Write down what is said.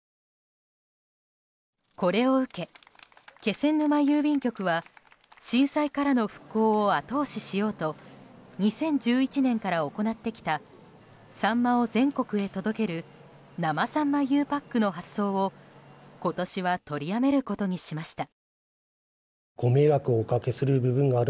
これを受け、気仙沼郵便局は震災からの復興を後押ししようと２０１１年から行ってきたサンマを全国へ届ける生さんまゆうパックの発送を今年は取りやめることにしました。